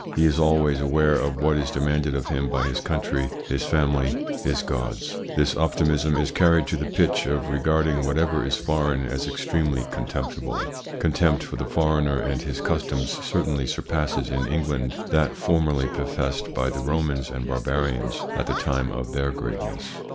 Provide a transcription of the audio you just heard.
He is always aware of what is demanded of him by his country, his family, his Gods. This optimism is carried to the pitch of regarding whatever is foreign as extremely contemptible. Con tempt for the foreigner and his customs certainly surpasses in England that formerly professed by the Romans and Barbarians at the time of their greatness.